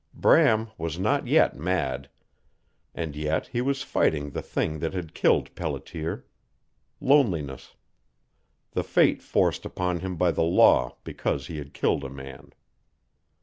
Bram was not yet mad. And yet he was fighting the thing that had killed Pelletier. Loneliness. The fate forced upon him by the law because he had killed a man.